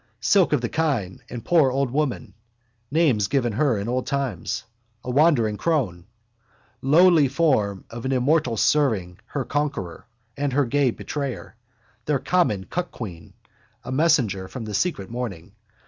Silk of the kine and poor old woman, names given her in old times. A wandering crone, lowly form of an immortal serving her conqueror and her gay betrayer, their common cuckquean, a messenger from the secret morning.